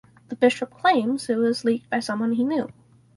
The bishop claims it was leaked by someone he knew.